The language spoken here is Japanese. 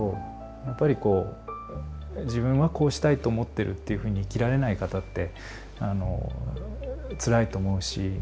やっぱりこう自分はこうしたいと思ってるっていうふうに生きられない方ってつらいと思うし。